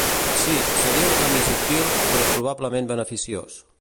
Sí, seria un canvi subtil, però probablement beneficiós.